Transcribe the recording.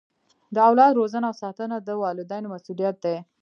د اولاد روزنه او ساتنه د والدینو مسؤلیت دی.